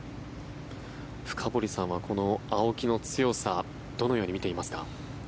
深堀さんはこの青木の強さどのように見ていますか？